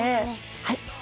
はい。